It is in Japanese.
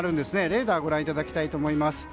レーダーご覧いただきたいと思います。